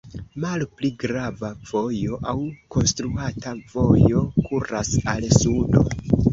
Malpli grava vojo aŭ konstruata vojo kuras al sudo.